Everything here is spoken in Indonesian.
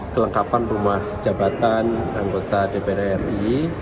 kelengkapan rumah jabatan anggota dpr ri